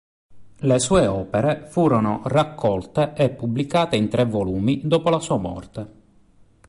Le sue opere furono raccolte e pubblicate in tre volumi dopo la sua morte.